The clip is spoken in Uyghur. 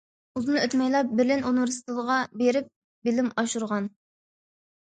ئۇزۇن ئۆتمەيلا، بېرلىن ئۇنىۋېرسىتېتىغا بېرىپ بىلىم ئاشۇرغان.